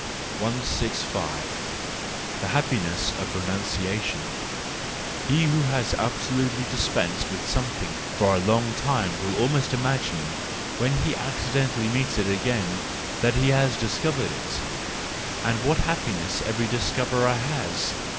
165. The Happiness of Renunciation .—He who has absolutely dispensed with something for a long time will almost imagine, when he accidentally meets with it again, that he has discovered it,—and what happiness every discoverer has!